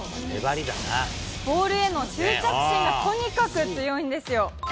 ボールへの執着心がとにかく強いんですよ。